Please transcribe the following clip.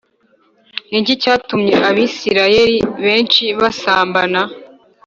Ni iki cyatumye Abisirayeli benshi basambana